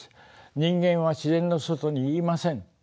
人間は自然の外にいません。